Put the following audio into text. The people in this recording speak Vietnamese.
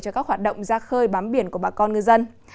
cho các hoạt động ra khơi bám biển của bà con ngư dân